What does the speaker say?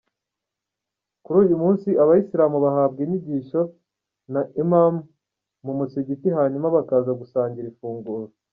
Kuri uyu munsi Abayisilamu bahabwa inyigisho na Imam mu Musigiti hanyuma bakaza gusangira ifunguro.